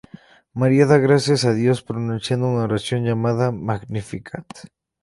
María da gracias a Dios pronunciando una oración llamada "Magnificat".